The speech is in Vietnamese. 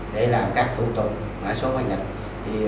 để làm các thủ tục mã số mã vạch